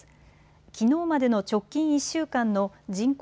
きのうまでの直近１週間の人口